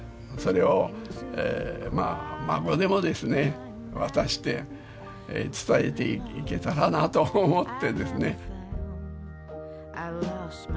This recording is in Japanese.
それをまあ孫でもですね渡して伝えていけたらなと思ってですね。